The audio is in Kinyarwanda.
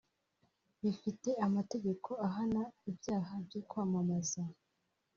bifite amategeko ahana ibyaha byo kwamamaza